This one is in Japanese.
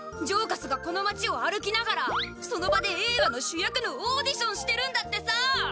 ジョーカスがこの町を歩きながらその場でえいがの主役のオーディションしてるんだってさ！